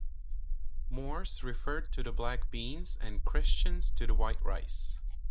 "Moors" refers to the black beans, and "Christians" to the white rice.